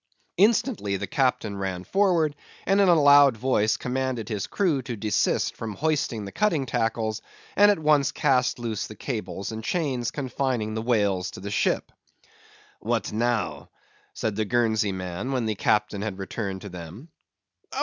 Instantly the captain ran forward, and in a loud voice commanded his crew to desist from hoisting the cutting tackles, and at once cast loose the cables and chains confining the whales to the ship. "What now?" said the Guernsey man, when the Captain had returned to them.